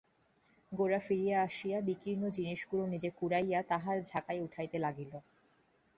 গোরা ফিরিয়া আসিয়া বিকীর্ণ জিনিসগুলা নিজে কুড়াইয়া তাহার ঝাঁকায় উঠাইতে লাগিল।